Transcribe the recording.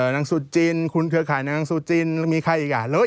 นางสุจีนคุณเครือข่ายนางสุจีนมีใครอีก